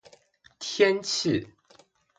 天气